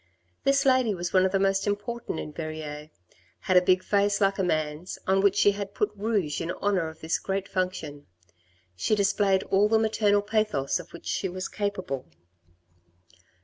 This lady was one of the most important in Verrieres, had a big face like a man's, on which she had put rouge in honour of this great function. She displayed all the maternal pathos of which she was capable.